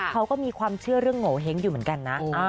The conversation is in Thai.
เขาก็มีความเชื่อเรื่องโงเห้งอยู่เหมือนกันนะ